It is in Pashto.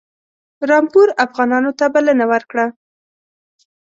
رامپور افغانانو ته بلنه ورکړه.